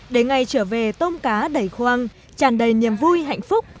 để ngày trở về tôm cá đầy khoang tràn đầy niềm vui hạnh phúc